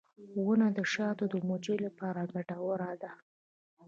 • ونه د شاتو د مچیو لپاره ګټوره ده.